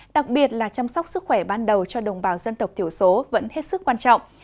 đặc biệt là chăm sóc sức khỏe ban đầu cho đồng bào dân tộc thiểu số vẫn hết sức quan trọng